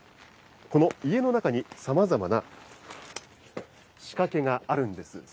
この家の中にさまざまな仕掛けがあるんです。